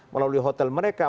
melalui hotel mereka